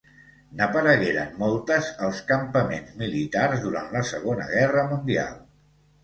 N'aparegueren moltes als campaments militars durant la Segona Guerra Mundial.